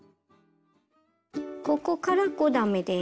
ここから５段めです。